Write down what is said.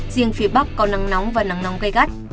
riêng phía bắc có nắng nóng và nắng nóng cay cắt